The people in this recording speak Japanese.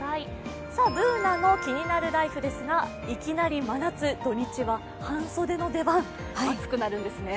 「ＢｏｏｎａのキニナルＬＩＦＥ」ですが、いきなり真夏、土日は半袖の出番、暑くなるんですね。